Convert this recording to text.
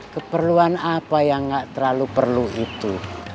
keperluan apa yang gak terlalu perlu itu